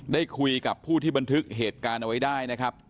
ได้คุยกับผู้ที่บันทึกเหตุการณ์เอาไว้ได้นะครับ